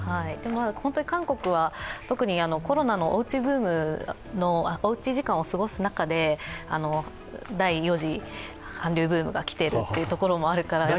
本当に韓国は、特にコロナのおうち時間を過ごす中で、第４次韓流ブームが来ているというところも。